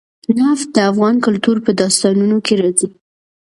نفت د افغان کلتور په داستانونو کې راځي.